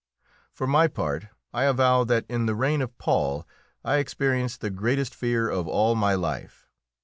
For my part, I avow that in the reign of Paul I experienced the greatest fear of all my life.